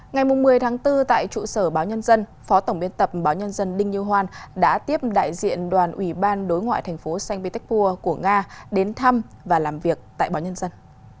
ngày một mươi tháng bốn tại trụ sở báo nhân dân phó tổng biên tập báo nhân dân đinh như hoan đã tiếp đại diện đoàn ủy ban đối ngoại thành phố saint petersburg của nga đến thăm và làm việc tại báo nhân dân